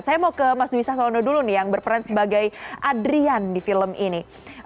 saya mau ke mas dwi sasono dulu nih yang berperan sebagai adrian di film ini